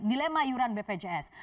dilema yuran bpjs